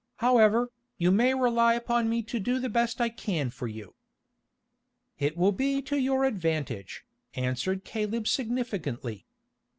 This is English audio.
However, you may rely upon me to do the best I can for you." "It will be to your advantage," answered Caleb significantly.